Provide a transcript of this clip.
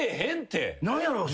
何やろう？